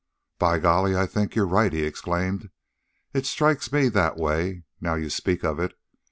"By golly, I think you're right," he exclaimed. "It strikes me that way, now you speak of it.